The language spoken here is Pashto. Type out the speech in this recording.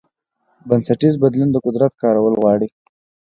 بنسټیز بدلون د قدرت کارول غواړي.